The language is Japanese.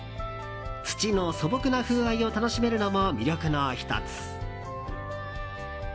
土の素朴な風合いを楽しめるのも魅力の１つ。